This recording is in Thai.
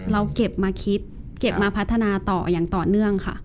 เราเก็บมาคิดเก็บมาพัฒนาต่ออย่างต่อเนื่องค่ะ